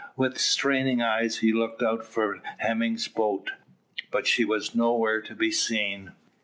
With straining eyes he looked out for Hemming's boat, but she was nowhere to be seen.